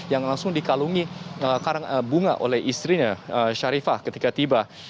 yang langsung dikalungi bunga oleh istrinya sharifah ketika tiba